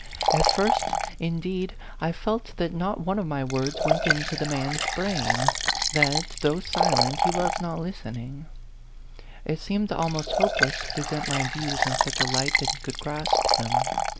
At first, indeed, I felt that not one of my words went into the man's brain that, though silent, he was not listening. A PHANTOM LOVER. 123 It seemed almost hopeless to present my views in such a li<rht.that he could grasp them.